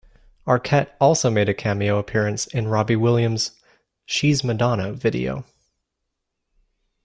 Arquette also made a cameo appearance in Robbie Williams' "She's Madonna" video.